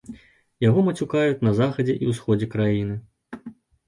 Яго мацюкаюць на захадзе і ўсходзе краіны.